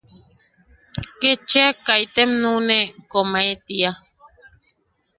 Kechia ‘kaitem nuʼune, komae, tia.